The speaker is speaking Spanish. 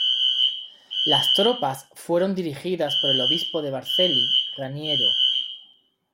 Las tropas fueron dirigidas por el obispo de Vercelli, Raniero.